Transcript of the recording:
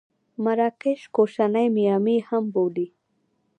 مراکش کوشنۍ میامي هم بولي.